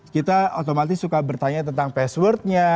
kita otomatis suka bertanya tentang passwordnya